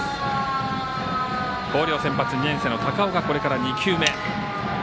広陵、先発２年生の高尾が２球目。